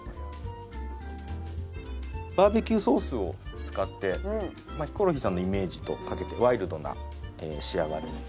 バーベキューソースを使ってヒコロヒーさんのイメージとかけてワイルドな仕上がりに。